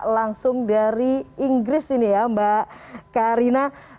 langsung dari inggris ini ya mbak karina